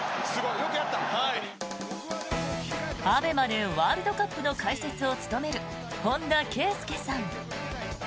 ＡＢＥＭＡでワールドカップの解説を務める本田圭佑さん。